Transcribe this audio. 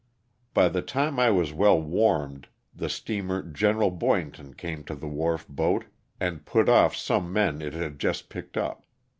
By the time I was well warmed the steamer "Gen eral Boynton" came to the wharf boat and put off 2S2 LOSS OF THE SULTANA. some men it had just picked up.